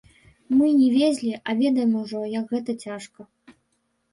Мы не везлі, а ведаем ужо, як гэта цяжка.